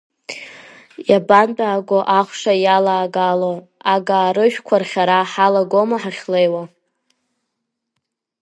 Иабантәааго ахәша иалаагало, Агаа рыжәқәа рхьара ҳалагома ҳахьлеиуа?